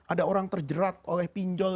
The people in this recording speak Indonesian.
ada orang terjerat oleh pinjol